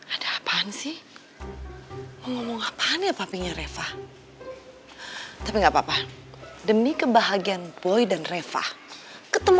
ada apaan sih ngomong apaan ya papinya reva tapi enggak apa apa demi kebahagiaan boy dan reva ketemu